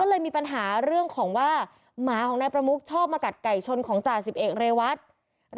เลยมีปัญหาเรื่องของว่าหมาของนายประมุกชอบมากัดไก่ชนของจ่าสิบเอกเรวัต